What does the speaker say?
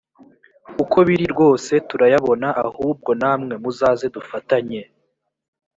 uko biri rwose turayabona ahubwo namwe muzaze dufatanye